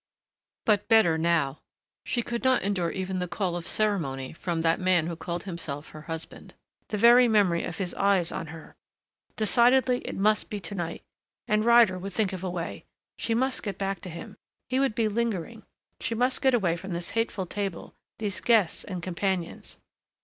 But, better now. She could not endure even the call of ceremony from that man who called himself her husband. The very memory of his eyes on her.... Decidedly, it must be to night. And Ryder would think of a way. She must get back to him ... he would be lingering. She must get away from this hateful table, these guests and companions....